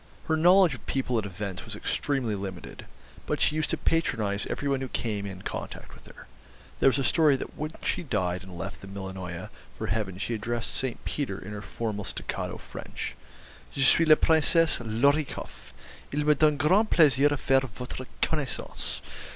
Her knowledge of people and events was extremely limited; but she used to patronise every one who came in contact with her. There was a story that when she died and left the Millionaya for Heaven she addressed St. Peter in her formal staccato French: 'Je suis la Princesse Lor i koff. Il me donne grand plaisir à faire votre connaissance.